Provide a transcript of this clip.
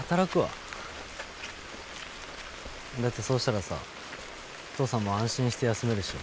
だってそうしたらさ父さんも安心して休めるでしょ。